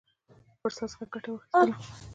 فرصت څخه ګټه واخیستله.